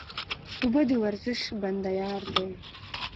اوبه د ورزش بنده یار دی